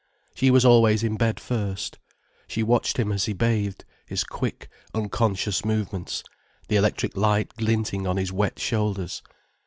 She was always in bed first. She watched him as he bathed, his quick, unconscious movements, the electric light glinting on his wet shoulders.